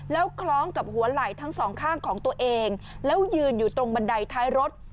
แล้วคล้องกับหัวไหล่ทั้งสองข้างของตัวเองแล้วยืนอยู่ตรงบันไดท้ายรถ